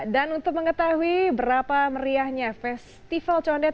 dan untuk mengetahui berapa meriahnya festival condet